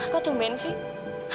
kok tuh ben sih